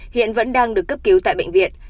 hiện vẫn đang được cấp cứu tại bệnh viện